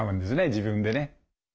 自分でね。